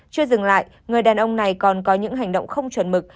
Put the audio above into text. chưa dừng lại người đàn ông này còn có những hành động không chuẩn mực